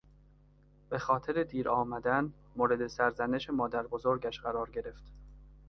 به خاطر دیر آمدن مورد سرزنش مادربزرگش قرار گرفت.